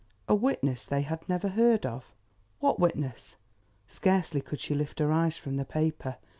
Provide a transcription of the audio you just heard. A witness they had never heard of! What witness? Scarcely could she lift her eyes from the paper.